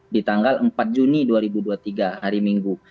di tanggal empat juni dua ribu dua puluh tiga hari minggu